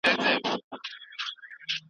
د امېدوارۍ پر مهال درمل بې له مشورې مه کاروه